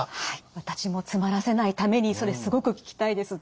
私も詰まらせないためにそれすごく聞きたいです。